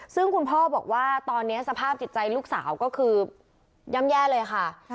ซึ่งคุณพ่อบอกว่าตอนนี้สภาพจิตใจลูกสาวก็คือย่ำแย่เลยค่ะ